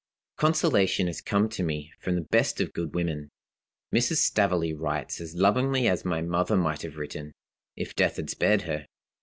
"Consolation has come to me from the best of good women. Mrs. Staveley writes as lovingly as my mother might have written, if death had spared her.